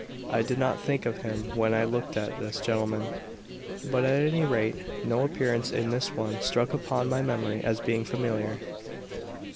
I did not think of him when I looked at this gentleman; but, at any rate, no appearance in this one struck upon my memory as being familiar."